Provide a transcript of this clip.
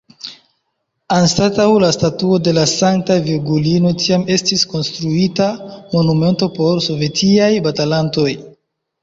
Anstataŭ la statuo de la sankta Virgulino tiam estis konstruita monumento por sovetiaj batalantoj.